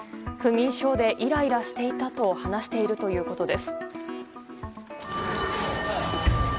不眠症でイライラしていたと話しているということです。